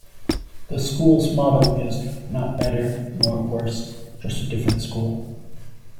The school's motto is "Not better, nor worse, just a different school".